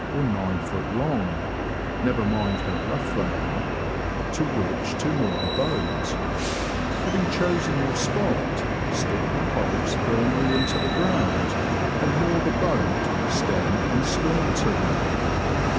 or 9ft. long (never mind how rough they are), M 162 THE LAND OF THE BROADS. to which to moor the boat. Having chosen your spot, stick the poles firmly into the ground, and moor the boat stem and stern to them.